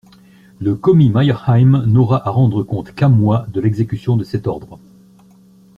Le commis Meyerheim n'aura à rendre compte qu'à moi de l'exécution de cet ordre.